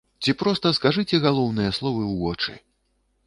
Ці проста скажыце галоўныя словы ў вочы.